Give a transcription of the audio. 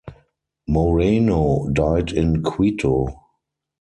Moreno died in Quito.